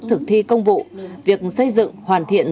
thực thi công vụ việc xây dựng hoàn thiện